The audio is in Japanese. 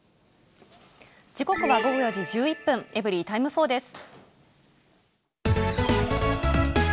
時刻は午後４時１１分、エブリィタイム４です。